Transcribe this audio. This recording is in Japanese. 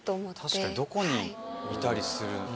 確かにどこにいたりする。